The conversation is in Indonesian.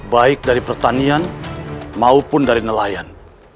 baik dari pertanian maupun dari nelayan